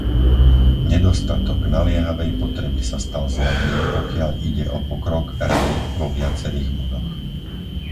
Nedostatok naliehavej potreby sa stal zjavným, pokiaľ ide o pokrok Rady vo viacerých bodoch.